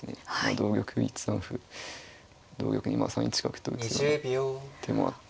同玉１三歩同玉に３一角と打つような手もあって。